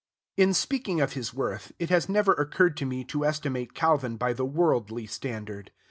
In speaking of his worth, it has never occurred to me to estimate Calvin by the worldly standard.